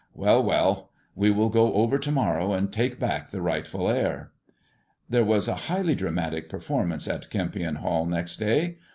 Well ! well ! we will go over to morrow, and take back the rightful heir." There was a highly dramatic performance at Kempion Hall next day.